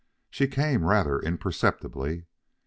She came rather imperceptibly.